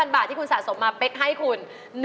บาทที่คุณสะสมมาเป๊กให้คุณ